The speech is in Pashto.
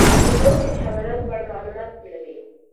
زده کوونکي د حیواناتو په اړه معلومات ټولوي.